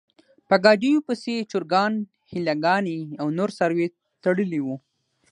په ګاډیو پسې یې چرګان، هیلۍ ګانې او نور څاروي تړلي و.